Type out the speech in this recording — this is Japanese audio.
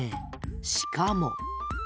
しかも。